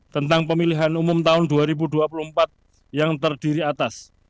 tentang pemilihan umum tahun dua ribu dua puluh empat yang terdiri atas